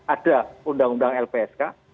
ada undang undang lpsk